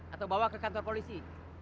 atau bawa ke kantor polisi